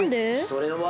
それは。